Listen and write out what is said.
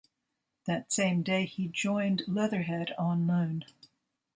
That same day he joined Leatherhead on loan.